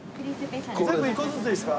全部１個ずつでいいですか。